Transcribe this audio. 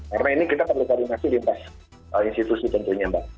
karena ini kita perlu koordinasi di atas institusi tentunya mbak